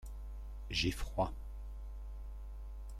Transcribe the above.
J’ai froid.